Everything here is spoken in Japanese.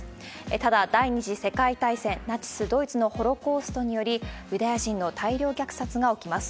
ただ、第２次世界大戦、ナチスドイツのホロコーストにより、ユダヤ人の大量虐殺が起きます。